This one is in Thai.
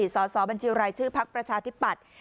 สอบบัญชีรายชื่อพักประชาธิปัตย์